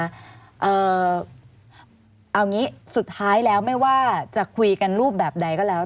เอาอย่างนี้สุดท้ายแล้วไม่ว่าจะคุยกันรูปแบบใดก็แล้ว